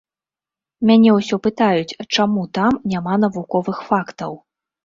Мяне ўсё пытаюць, чаму там няма навуковых фактаў.